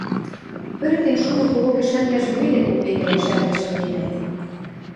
Пӧрӹктен шумы кого кӹшӓнвлӓжӹм веле кок векӹлӓ шӓрен шӹнденӓт